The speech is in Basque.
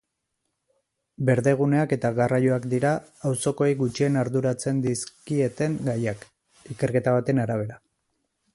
Berdeguneak eta garraioak dira auzokoei gutxien arduratzen dizkieten gaiak, ikerketa baten arabera.